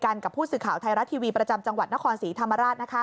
วันนี้กับผู้ศึกข่าวไทยรัชทีวีประจำจังหวัดนครสีธรรมราช